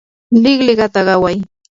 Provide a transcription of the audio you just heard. liqliqata qaway